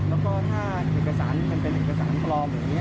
แล้วก็ถ้าเอกสารเป็นเอียดเอกสารกลอมเหมือนนี้